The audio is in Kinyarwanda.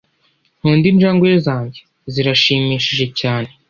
nkunda injangwe zanjye, zirashimishije cyane.